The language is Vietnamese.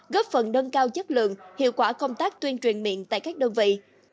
góp phần nâng cao chất lượng hiệu quả công tác tuyên truyền miệng tại các đơn vị